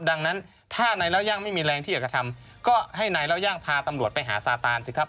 ดังนั้นถ้านายเล่าย่างไม่มีแรงที่อยากจะทำก็ให้นายเล่าย่างพาตำรวจไปหาซาตานสิครับ